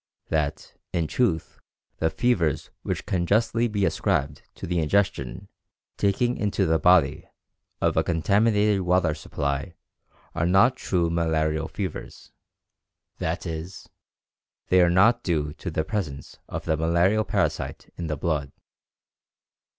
That, in truth, the fevers which can justly be ascribed to the ingestion [taking into the body] of a contaminated water supply are not true malarial fevers i. e., they are not due to the presence of the malarial parasite in the blood.